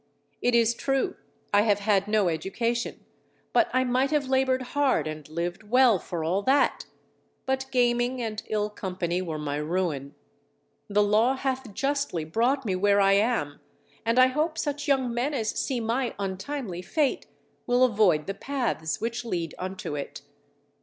It is true I have had no education, but I might have laboured hard and lived well for all that; but gaming and ill company were my ruin. The Law hath justly brought me where I am, and I hope such young men as see my untimely fate will avoid the paths which lead unto it.